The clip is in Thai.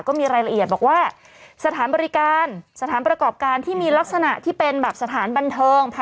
ก็มีรายละเอียดบอกว่าสถานบริการสถานประกอบการที่มีลักษณะที่เป็นแบบสถานบันเทิง